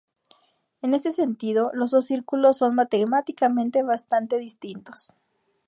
En este sentido, los dos círculos son matemáticamente bastante distintos.